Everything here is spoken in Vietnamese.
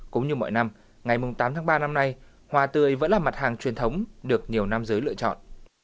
cũng như mọi năm ngày tám tháng ba năm nay hoa tươi vẫn là mặt hàng truyền thống được nhiều nam giới lựa chọn